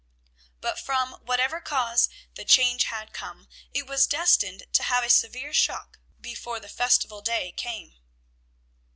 But from whatever cause the change had come, it was destined to have a severe shock before the festival day came.